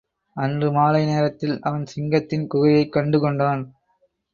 அன்று மாலை நேரத்தில் அவன் சிங்கத்தின் குகையைக் கண்டுகொண்டான்.